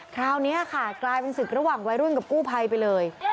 คราวนี้ค่ะกลายเป็นศึกระหว่างวัยรุ่นกับกู้ภัยไปเลย